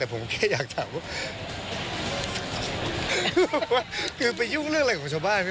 แต่ผมแค่อยากถามว่าคือไปยุ่งเรื่องอะไรของชาวบ้าน